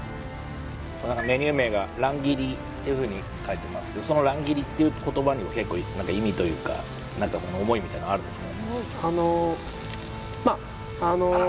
メニュー名が乱切りっていうふうに書いてますけどその乱切りっていう言葉にも結構意味というか思いみたいのあるんですか？